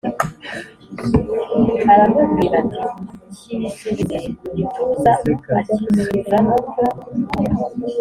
Aramubwira ati Cyisubize mu gituza acyisubizamo